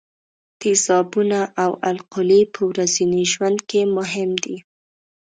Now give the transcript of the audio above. تیزابونه او القلي په ورځني ژوند کې مهم دي.